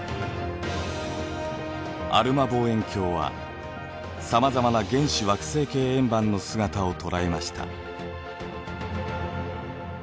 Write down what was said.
アルマ望遠鏡はさまざまな原始惑星系円盤の姿を捉えました。